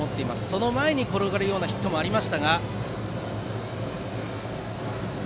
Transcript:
その前に転がるようなヒットもありましたが。